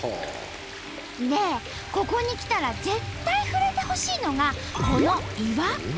でここに来たら絶対触れてほしいのがこの岩。